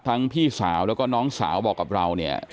พี่สาวแล้วก็น้องสาวบอกกับเราเนี่ย